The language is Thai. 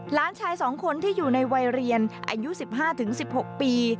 หลานชาย๒คนที่อยู่ในวัยเรียนอายุ๑๕๑๖ปี